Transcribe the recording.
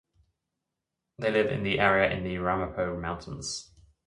They live in the area in the Ramapo Mountains.